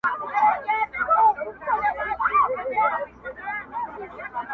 ته توپک را واخله ماته بم راکه,